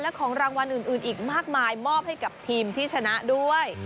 และของรางวัลอื่นอีกมากมายมอบให้กับทีมที่ชนะด้วย